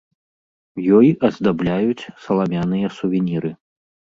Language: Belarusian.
Ёй аздабляюць саламяныя сувеніры.